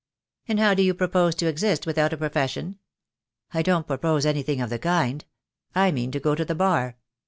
"And how do you propose to exist without a pro fession?" "I don't propose anything of the kind. I mean to go to the Bar."